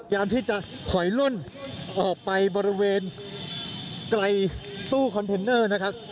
ที่จะถอยล่นออกไปบริเวณไกลตู้คอนเทนเนอร์นะครับ